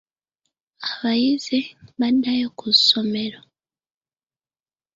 Abayizi baddayo ku ssomero.